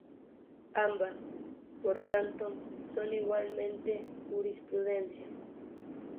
Ambas, por tanto, son igualmente jurisprudencia.